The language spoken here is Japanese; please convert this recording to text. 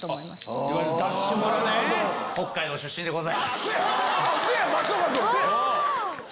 北海道出身でございます。